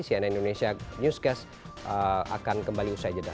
cnn indonesia newscast akan kembali usai jeda